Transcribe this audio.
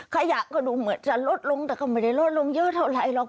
ขยะก็ดูเหมือนจะลดลงแต่ก็ไม่ได้ลดลงเยอะเท่าไรหรอก